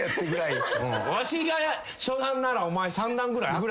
わしが初段ならお前３段ぐらいあった。